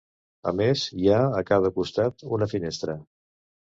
A més, hi ha, a cada costat, una finestra.